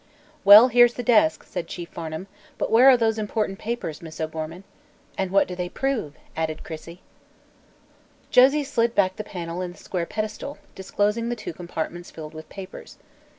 "Well, here's the desk," said Chief Farnum, "but where are those important papers, Miss O'Gorman?" "And what do they prove?" added Crissey. Josie slid back the panel in the square pedestal, disclosing the two compartments filled with papers.